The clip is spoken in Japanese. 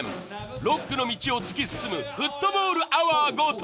ロックの道を突き進むフットボールアワー後藤。